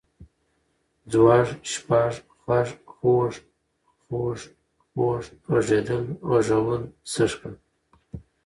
ځوږ، شپږ، خوَږ، خُوږه ، خوږ، خوږ ، غږېدل، غږول، سږ کال